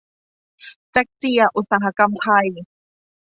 แจ๊กเจียอุตสาหกรรม ไทย